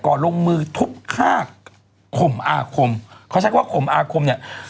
ก่อนลงมือทุบฆ่าข่มอาคมเขาชัดว่าข่มอาคมเนี่ย